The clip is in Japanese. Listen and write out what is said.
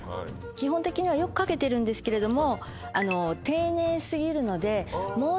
基本的にはよく書けてるんですけれども。